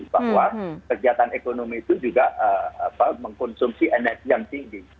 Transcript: bahwa kegiatan ekonomi itu juga mengkonsumsi energi yang tinggi